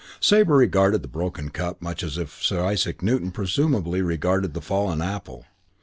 XIII Sabre regarded the broken cup much as Sir Isaac Newton presumably regarded the fallen apple.